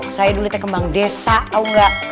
saya dulu liatnya kembang desa tau gak